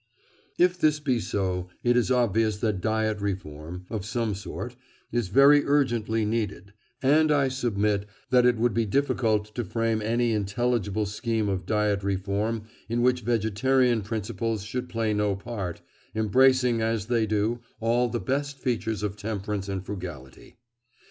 " If this be so, it is obvious that diet reform (of some sort) is very urgently needed; and I submit that it would be difficult to frame any intelligible scheme of diet reform in which vegetarian principles should play no part, embracing, as they do, all the best features of temperance and frugality.